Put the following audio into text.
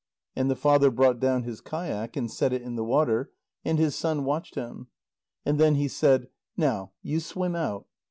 And the father brought down his kayak and set it in the water, and his son watched him. And then he said: "Now you swim out."